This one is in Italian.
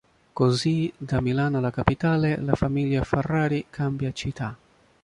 Così, da Milano alla Capitale, la famiglia Ferrari cambia città!